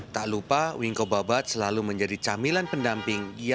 tak lupa winko babat selalu menjadi camilan pendampingnya